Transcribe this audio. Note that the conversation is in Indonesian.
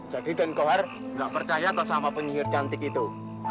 jadi denkohar gak percaya sama penyihir cantik itu